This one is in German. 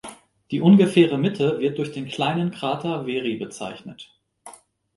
Die ungefähre Mitte wird durch den kleinen Krater Very bezeichnet.